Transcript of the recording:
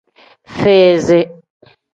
Fizi.